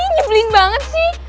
nyebelin banget sih